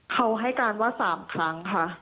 เขาให้การว่า๓ครั้งค่ะ